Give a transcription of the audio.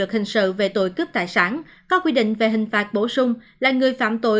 hình sự về tội cướp tài sản có quy định về hình phạt bổ sung là người phạm tội